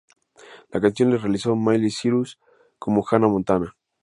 La canción la realizó Miley Cyrus como Hannah Montana.